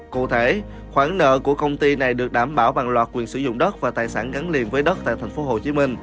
cụ thể khoản nợ của công ty này được đảm bảo bằng loạt quyền sử dụng đất và tài sản gắn liền với đất tại tp hcm